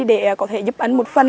để có thể giúp anh một phần